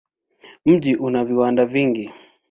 Mji una viwanda vingi.